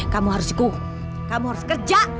kamu harus ikut kamu harus kerja